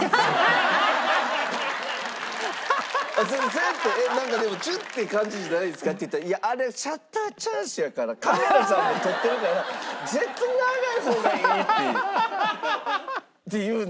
「それってなんかでもチュッて感じじゃないんですか？」って言ったら「いやあれシャッターチャンスやからカメラさんも撮ってるから絶対長い方がいい」って言うんですよ。